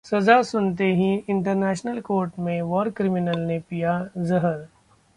सजा सुनते ही इंटरनेशनल कोर्ट में वॉर क्रिमिनल ने पिया जहर